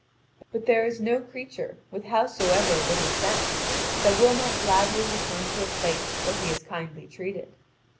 But there is no creature, with howsoever little sense, that will not gladly return to a place where he is kindly treated.